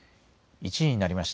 １時になりました。